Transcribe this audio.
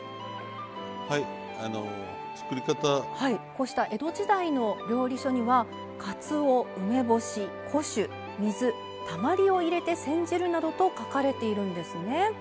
こうした江戸時代の料理書にはかつお梅干し古酒水たまりを入れて煎じるなどと書かれているんですね。